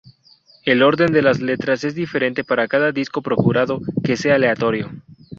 El orden de las letras es diferente para cada disco procurando que sea aleatorio.